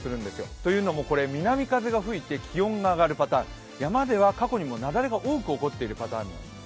というのも、南風が吹いて気温が上がりパターン、山では過去にも雪崩が多く起こっているパターンです。